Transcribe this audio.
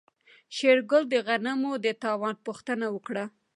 شېرګل د غنمو د تاوان پوښتنه وکړه.